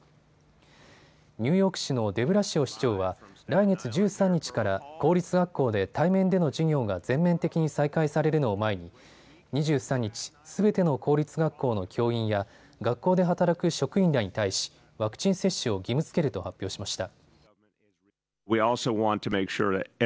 ニューヨーク市のデブラシオ市長は来月１３日から公立学校で対面での授業が全面的に再開されるのを前に２３日、すべての公立学校の教員や学校で働く職員らに対しワクチン接種を義務づけると発表しました。